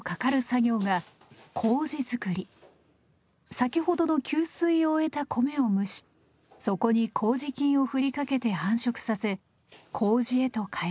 先ほどの吸水を終えた米を蒸しそこに麹菌をふりかけて繁殖させ麹へと変えていきます。